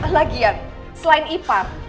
lagian selain ipar